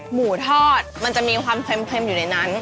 หมูทอดมันจะมีความเค็มอยู่ในนั้น